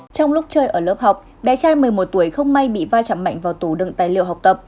trong lúc chơi ở lớp học bé trai một mươi một tuổi không may bị va chạm mạnh vào tủ đựng tài liệu học tập